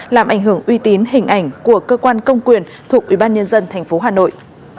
làm ảnh hưởng uy tín hình ảnh của cơ quan công quyền thuộc ủy ban nhân dân tp hà nội